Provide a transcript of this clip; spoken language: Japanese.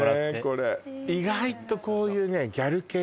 これ意外とこういうね